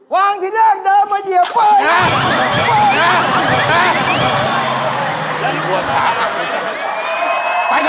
วางที่เดินเดินมาเหยียบเปอ๊ย